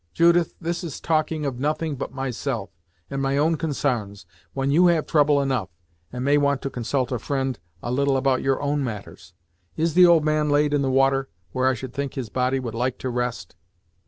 Judith, this is talking of nothing but myself, and my own consarns, when you have had trouble enough, and may want to consult a fri'nd a little about your own matters. Is the old man laid in the water, where I should think his body would like to rest?"